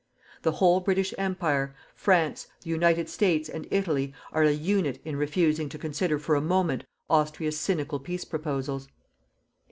The whole British Empire, France, the United States and Italy are a unit in refusing to consider for a moment Austria's cynical peace proposals.